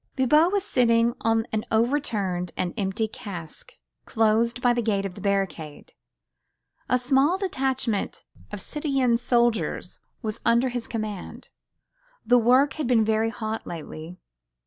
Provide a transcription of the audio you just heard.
Bibot was sitting on an overturned and empty cask close by the gate of the barricade; a small detachment of citoyen soldiers was under his command. The work had been very hot lately.